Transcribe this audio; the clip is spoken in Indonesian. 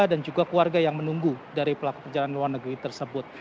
dan juga keluarga yang menunggu dari pelaku perjalanan luar negeri tersebut